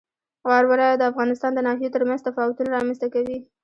واوره د افغانستان د ناحیو ترمنځ تفاوتونه رامنځ ته کوي.